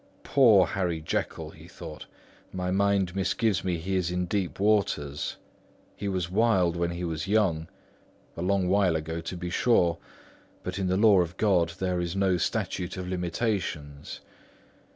"Poor Harry Jekyll," he thought, "my mind misgives me he is in deep waters! He was wild when he was young; a long while ago to be sure; but in the law of God, there is no statute of limitations.